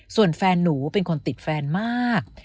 ส่วนแฟนหนูเป็นคนติดแฟนมาก